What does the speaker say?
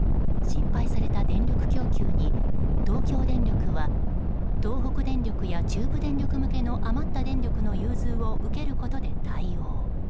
心配された電力供給に東京電力は東北電力や中部電力向けの余った電力の融通を受けることで対応。